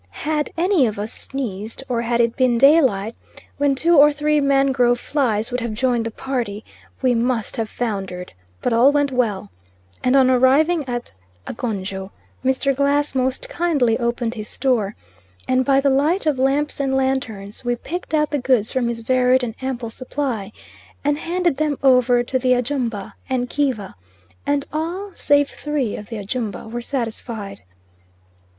Had any of us sneezed, or had it been daylight when two or three mangrove flies would have joined the party, we must have foundered; but all went well; and on arriving at Agonjo Mr. Glass most kindly opened his store, and by the light of lamps and lanterns, we picked out the goods from his varied and ample supply, and handed them over to the Ajumba and Kiva, and all, save three of the Ajumba, were satisfied.